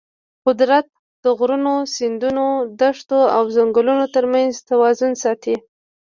قدرت د غرونو، سیندونو، دښتو او ځنګلونو ترمنځ توازن ساتي.